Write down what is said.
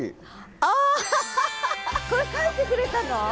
あこれ描いてくれたの？